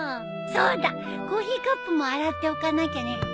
そうだコーヒーカップも洗っておかなきゃね。